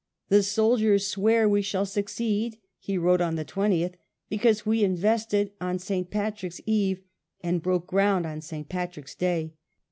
" The soldiers swear we shall succeed," he wrote on the 20th, "because we invested on St. Patrick's eve and broke ground on St Patrick's day."